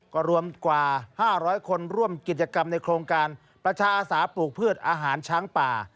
ก็รวมกว่า๕๐๐คนร่วมกิจกรรมในโครงการประชาอาสาปลูกพืชอาหารช้างป่า